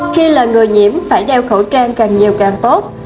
khi là người nhiễm phải đeo khẩu trang càng nhiều càng tốt